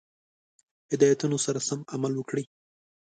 هدایتونو سره سم عمل وکړي.